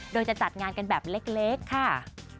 โดยจะจัดงานกันแบบเล็กค่ะ